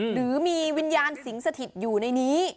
หรือมีวิญญาณสิงสถิตอยู่ในนี้